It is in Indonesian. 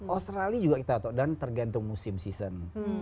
australia juga kita atok dan tergantung musim season